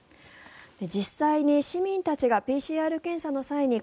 実際に市民たちがＰＣＲ検査の際に